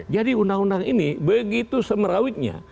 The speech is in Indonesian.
jadi undang undang ini begitu semrautnya